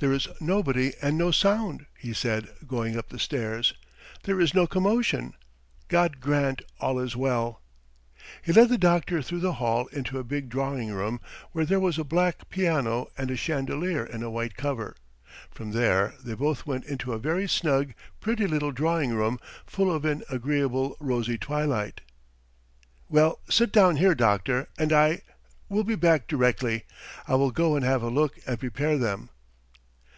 "There is nobody and no sound," he said going up the stairs. "There is no commotion. God grant all is well." He led the doctor through the hall into a big drawing room where there was a black piano and a chandelier in a white cover; from there they both went into a very snug, pretty little drawing room full of an agreeable, rosy twilight. "Well, sit down here, doctor, and I ... will be back directly. I will go and have a look and prepare them."